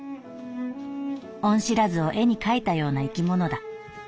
恩知らずを絵に描いたような生き物だ」。